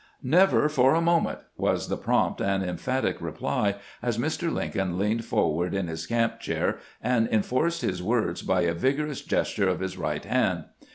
" "Never for a moment," was the prompt and emphatic reply, as Mr. Lincoln leaned forward in his camp chair and enforced his words by a vigorous gesture of his right hand.